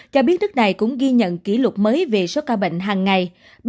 cho biết đức này cũng ghi nhận kỷ lục mới về số ca bệnh hàng ngày